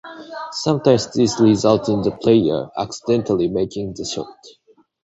Sometimes this results in the player accidentally making the shot.